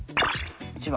１番。